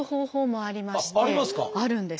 あるんです。